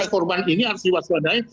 dua belas korban ini harus diwaspadai